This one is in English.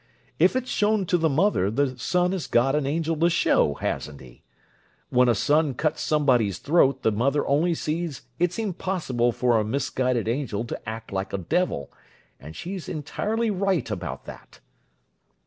If it's shown to the mother, the son has got an angel to show, hasn't he? When a son cuts somebody's throat the mother only sees it's possible for a misguided angel to act like a devil—and she's entirely right about that!"